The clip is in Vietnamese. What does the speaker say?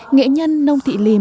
nghệ nhân nông thị lìm